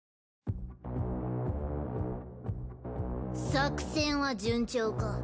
作戦は順調か？